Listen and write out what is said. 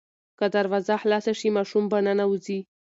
که دروازه خلاصه شي ماشوم به ننوځي.